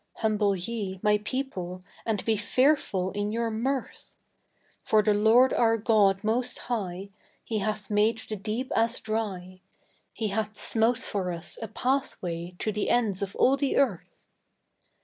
(Humble ye, my people, and be fearful in your mirth!) For the Lord our God Most High He hath made the deep as dry, He hath smote for us a pathway to the ends of all the Earth!